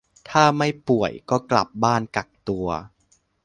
ถ้าไม่ป่วยก็กลับบ้านกักตัว